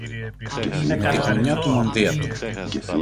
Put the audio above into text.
Με τη γωνιά του μανδύα του